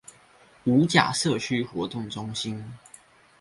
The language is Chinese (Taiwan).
五甲社區活動中心